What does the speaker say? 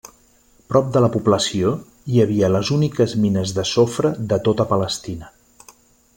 Prop de la població, hi havia les úniques mines de sofre de tota Palestina.